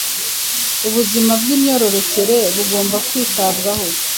Ubuzima bw’imyororokere bugomba kwitabwaho